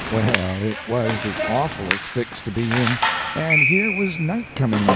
Well, it was the awfulest fix to be in, and here was night coming on!